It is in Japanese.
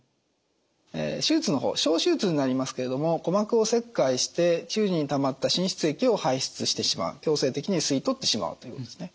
手術の方小手術になりますけれども鼓膜を切開して中耳にたまった滲出液を排出してしまう強制的に吸い取ってしまうということですね。